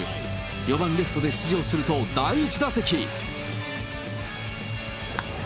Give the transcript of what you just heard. ４番レフトで出場すると、第１打席。